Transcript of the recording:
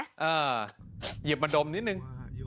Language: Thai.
เอ่อหยิบมาดมนิดนึง